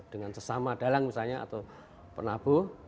dengan sesama dalang misalnya atau penabuh